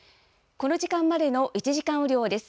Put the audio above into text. この時間までの１時間雨量です。